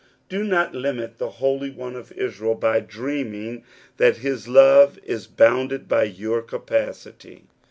Do not limit the Holy One of Israel by dreaming that his love is bounded by your capacity.